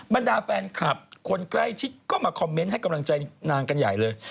บรรดาแฟนคลับคนใกล้ชิดก็มาคอมเมนต์ให้กำลังใจนางกันใหญ่เลย